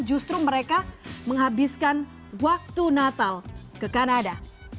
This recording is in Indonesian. justru mereka menghabiskan waktu natal ke kanada